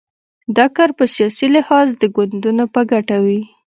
دا کار په سیاسي لحاظ د ګوندونو په ګټه وي.